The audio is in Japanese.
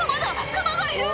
クマがいる！」